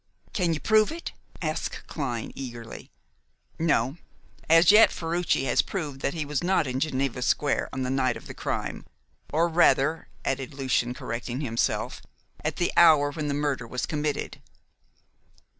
"Can you prove it?" asked Clyne eagerly. "No. As yet, Ferruci has proved that he was not in Geneva Square on the night of the crime or rather," added Lucian, correcting himself, "at the hour when the murder was committed."